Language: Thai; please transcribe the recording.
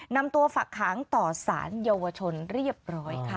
นำตัวฝักขังต่อสารเยาวชนเรียบร้อยค่ะ